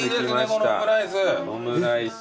このオムライス。